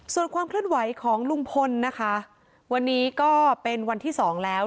ส่วนความเคลื่อนไหวของลุงพลนะคะวันนี้ก็เป็นวันที่สองแล้ว